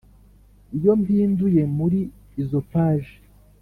iyo mpinduye muri izo page,